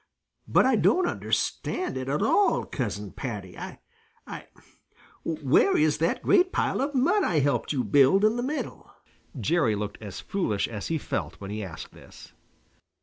But I don't understand it at all, Cousin Paddy. I I Where is that great pile of mud I helped you build in the middle?" Jerry looked as foolish as he felt when he asked this.